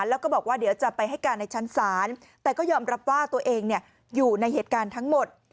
แล้วก็บอกว่าเดี๋ยวจะไปให้การในชั้นศาลแต่ก็ยอมรับว่าตัวเองอยู่ในเหตุการณ์ทั้งหมด